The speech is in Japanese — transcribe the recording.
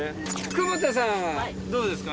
久保田さんはどうですか？